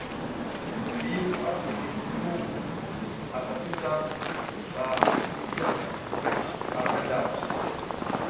Ɗiyiw ara slikid ti muŋ, asa pi sar ba gi si yam ar zlazlar.